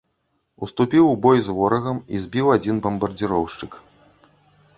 Уступіў у бой з ворагам і збіў адзін бамбардзіроўшчык.